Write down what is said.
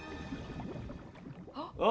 あ！